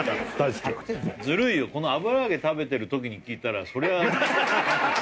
ズルいよこの油揚げ食べてる時に聞いたらそりゃ